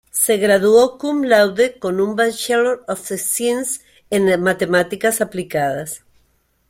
Se graduó Cum laude con un Bachelor of Science en Matemáticas aplicadas.